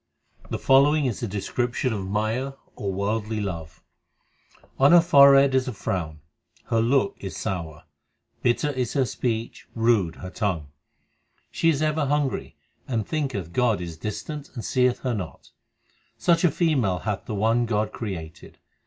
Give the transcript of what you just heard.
The following is a description of Maya, or worldly love : On her forehead is a frown, 1 her look is sour, Bitter is her speech, rude her tongue ; She is ever hungry, she thinketh God is distant and seeth her not. Such a female hath the one God created.